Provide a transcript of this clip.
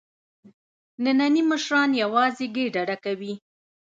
نني مشران یوازې ګېډه ډکوي.